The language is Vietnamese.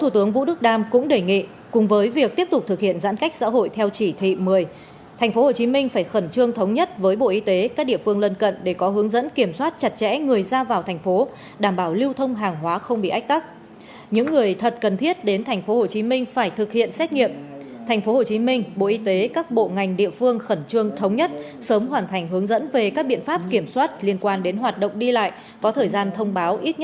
tại cuộc họp phó thủ tướng vũ đức đam đề nghị tp hcm cần kết hợp các công nghệ xét nghiệm ứng dụng công nghệ thông tin để đẩy nhanh ca nhiễm